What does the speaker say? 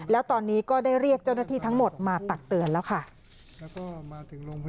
แล้วตอนนี้ก็ได้เรียกเจ้าหน้าที่ทั้งหมดมาตักเตือนแล้วค่ะ